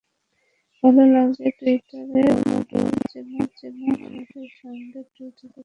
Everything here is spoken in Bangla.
ভালো লাগে টুইটারে ঢুঁ মারতে, চেনা মানুষের সঙ্গে টুইট চালাচালি করতেন।